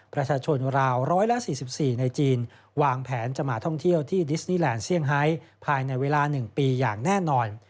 ประชาชนราว๑๔๔ในจีนวางแผนจะมาท่องเที่ยวที่ดิสนีแลนด์เซี่ยงไฮภายในเวลา๑ปีอย่างแน่นอน